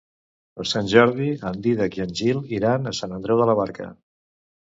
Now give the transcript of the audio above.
Per Sant Jordi en Dídac i en Gil iran a Sant Andreu de la Barca.